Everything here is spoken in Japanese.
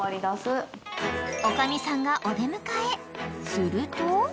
［すると］